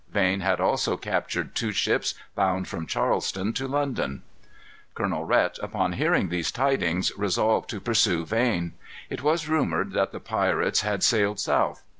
Vane had also captured two ships bound from Charleston to London. Colonel Rhet, upon hearing these tidings, resolved to pursue Vane. It was rumored that the pirates had sailed south.